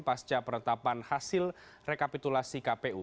pasca penetapan hasil rekapitulasi kpu